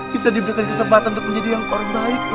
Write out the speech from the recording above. kita diberikan kesempatan untuk menjadi yang korban baik ya